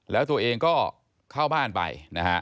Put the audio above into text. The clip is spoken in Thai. แล้วตัวเองก็เข้าบ้านไปนะฮะ